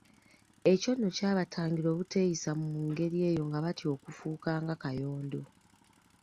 Ekyo nno kyabatangira obuteeyisa mu ngeri eyo nga batya okufuuka nga Kayondo.